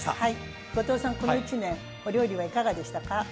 後藤さんこの１年お料理はいかがでしたか？